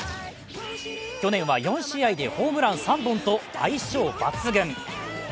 去年は４試合でホームラン３本と相性抜群。